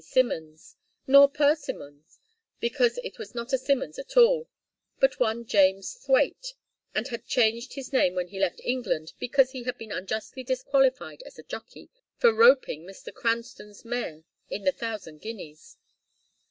Simmons, nor Persimmons, because he was not a Simmons at all, but one James Thwaite, and had changed his name when he left England, because he had been unjustly disqualified as a jockey, for roping Mr. Cranstoun's mare in the Thousand Guineas.